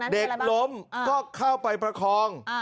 เด็กล้มก็เข้าไปประคอง